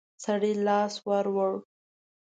سړي لاس ور ووړ.